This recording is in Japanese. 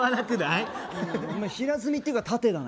平積みっていうか縦だね。